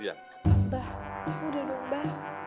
abah udah dong abah